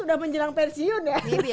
udah menjelang pensiun ya